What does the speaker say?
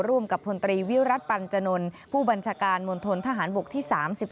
ร่วมกับพลตรีวิรัติปัญจนนลผู้บัญชาการมณฑนทหารบกที่๓๑